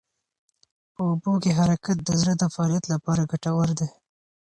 په اوبو کې حرکت د زړه د فعالیت لپاره ګټور دی.